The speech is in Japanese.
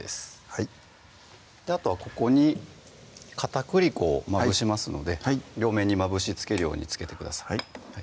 はいあとはここに片栗粉をまぶしますので両面にまぶし付けるように付けてください